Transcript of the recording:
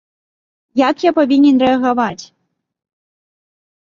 Як я павінен рэагаваць?